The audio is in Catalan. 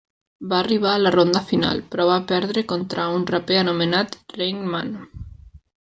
Va arribar a la ronda final, però va perdre contra un raper anomenat Reign Man.